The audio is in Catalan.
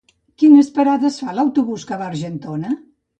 Quines parades fa l'autobús que va a Argentona?